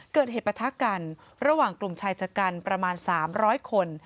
เกิดเหตุปะทะกันระหว่างกลุ่มชายชะกันประมาณ๓๐๐คน